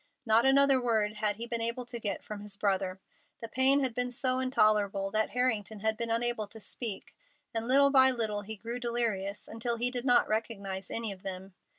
Not another word had he been able to get from his brother. The pain had been so intolerable that Harrington had been unable to speak, and little by little he grew delirious until he did not recognize any of them.